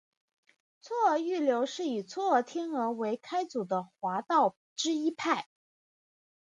嵯峨御流是以嵯峨天皇为开祖的华道之一派。